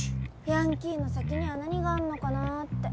ヤンキーの先には何があんのかなぁって。